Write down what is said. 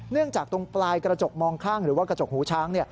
จากตรงปลายกระจกมองข้างหรือว่ากระจกหูช้าง